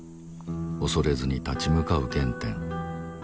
恐れずに立ち向かう原点